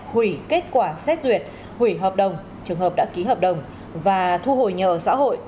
hủy kết quả xét duyệt hủy hợp đồng trường hợp đã ký hợp đồng và thu hồi nhà ở xã hội